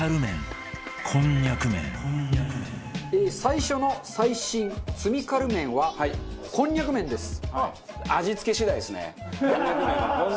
最初の最新罪軽麺はこんにゃく麺です。